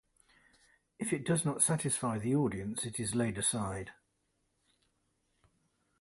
If it does not satisfy the audience, it is laid aside.